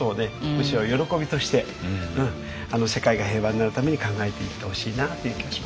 むしろ喜びとして世界が平和になるために考えていってほしいなという気がしますね。